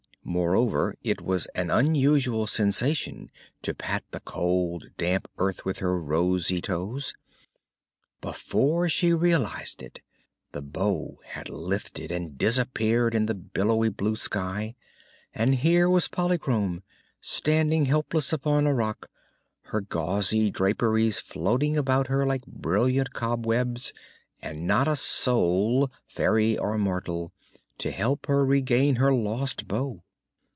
Moreover, it was an unusual sensation to pat the cold, damp earth with her rosy toes. Before she realized it the bow had lifted and disappeared in the billowy blue sky, and here was Polychrome standing helpless upon a rock, her gauzy draperies floating about her like brilliant cobwebs and not a soul fairy or mortal to help her regain her lost bow!